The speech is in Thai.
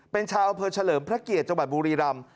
เป็นชาวเผลอเฉลิมพระเกียจจังหวัดบุรีรัมน์